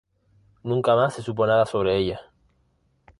Nunca más se supo nada sobre ella.